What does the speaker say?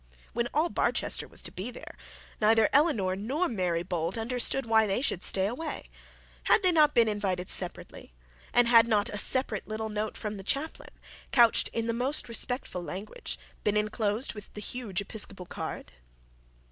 When all Barchester was to be there, neither Eleanor nor Mary Bold understood why they should stay away. Had they not been invited separately? And had not a separate little note from the chaplain couched in the most respectful language, been enclosed with the huge episcopal card?